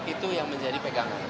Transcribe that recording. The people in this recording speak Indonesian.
itu yang menjadi pegangan